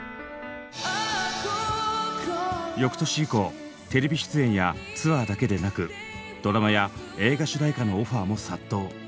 翌年以降テレビの出演やツアーだけでなくドラマや映画主題歌のオファーも殺到。